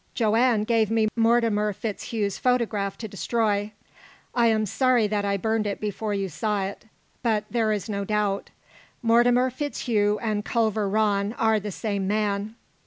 Joanne gave me Mortimer FitzHugh's photograph to destroy. I am sorry that I burned it before you saw it. But there is no doubt. Mortimer FitzHugh and Culver Rann are the same man."